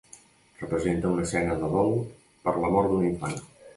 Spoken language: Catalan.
Representa una escena de dol per la mort d'un infant.